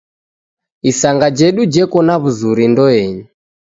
Isanga jedu jeko na w'uzuri ndoenyi.